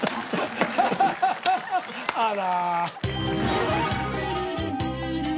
「あら」。